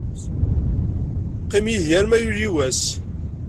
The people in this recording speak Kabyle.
Qqim yid-i arma yuley wass.